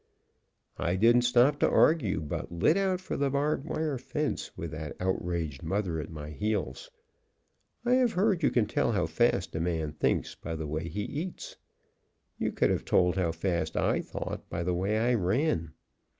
I didn't stop to argue, but lit out for the barbed wire fence with that outraged mother at my heels. I have heard you can tell how fast a man thinks by the way he eats. You could have told how fast I thought by the way I ran.